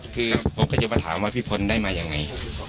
คือผมก็จะมาถามว่าพี่พลได้มายังไง